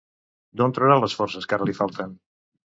D'on traurà les forces que ara li falten?